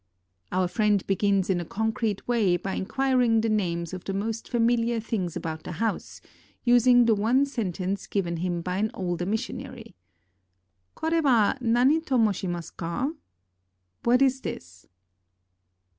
Our friend begins in a concrete way by inquiring the names of the most familiar things about the house, using the one sentence given him by an older missionary, Kore wa nani to moshimasu ka ("What is this?")